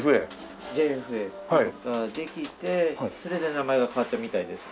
ＪＦＡができてそれで名前が変わったみたいです。